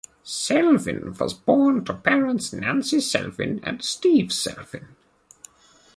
Selvin was born to parents Nancy Selvin and Steve Selvin.